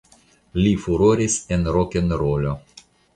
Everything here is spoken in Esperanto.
Li furoris en rokenrolo.